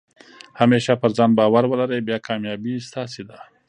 همېشه پر ځان بارو ولرئ، بیا کامیابي ستاسي ده.